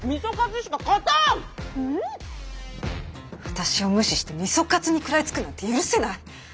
私を無視して味噌カツに食らいつくなんて許せない。